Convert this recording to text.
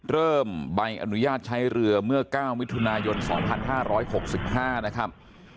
เริ่มใบอนุญาตใช้เรือเมื่อ๙มิถุนายน๒๕๖๕นะครับ